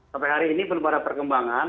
sampai hari ini belum ada perkembangan